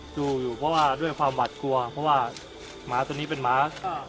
ดูอยู่เพราะว่าด้วยความหวัดกลัวเพราะว่าหมาตัวนี้เป็นหมา